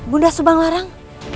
bunda subang larang